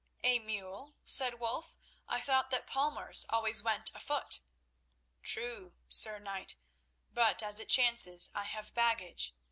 "A mule?" said Wulf. "I thought that palmers always went afoot?" "True, Sir Knight; but, as it chances, I have baggage.